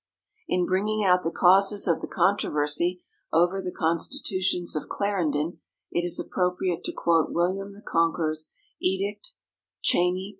In bringing out the causes of the controversy over the Constitutions of Clarendon, it is appropriate to quote William the Conqueror's Edict (Cheyney, pp.